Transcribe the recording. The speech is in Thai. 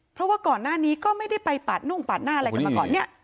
เพราะว่าก่อนหน้านี้ก็ไม่ได้ไปปาดนุ่งปาดหน้าอะไรกันมาก่อนเนี่ย